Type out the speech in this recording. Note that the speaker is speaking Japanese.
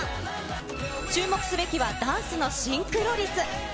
注目すべきはダンスのシンクロ率。